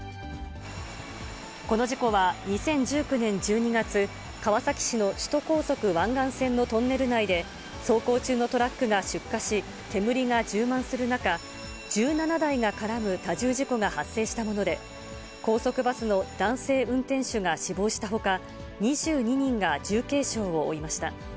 この事故は、２０１９年１２月、川崎市の首都高速湾岸線のトンネル内で、走行中のトラックが出火し、煙が充満する中、１７台が絡む多重事故が発生したもので、高速バスの男性運転手が死亡したほか、２２人が重軽傷を負いました。